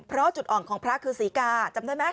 เพราะจุดอ่อนของพระคือศรีกาจำได้ไหม